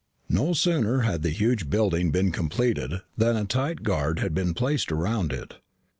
No sooner had the huge building been completed than a tight guard had been placed around it.